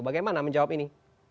bagaimana menjawab ini